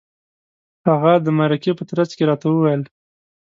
هغه د مرکې په ترڅ کې راته وویل.